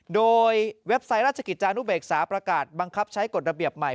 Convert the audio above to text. โดยเว็บไซต์ราชกิจจานุเบกษาประกาศบังคับใช้กฎระเบียบใหม่